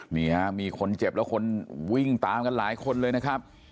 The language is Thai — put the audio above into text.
นี่ฮะมีคนเจ็บแล้วคนวิ่งตามกันหลายคนเลยนะครับ